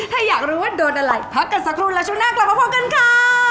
ถ้าอยากรู้ว่าโดนอะไรพักกันสักครู่แล้วช่วงหน้ากลับมาพบกันค่ะ